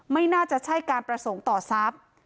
ไม่น่าจะใช่การประสงค์ต่อทรัพย์